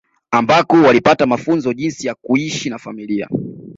Ambako walipata mafunzo jinsi ya kuishi na familia